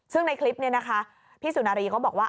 ซึ่งในคลิปนี้นะคะพี่สุนารีเขาบอกว่า